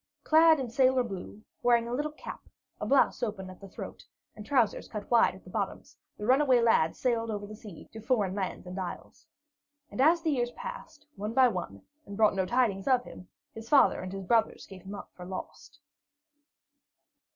Clad in sailor blue, wearing a little cap, a blouse open at the throat, and trousers cut wide at the bottoms, the runaway lad sailed over the sea to foreign lands and isles. And as the years passed, one by one, and brought no tidings of him, his father and his brothers gave him up for lost.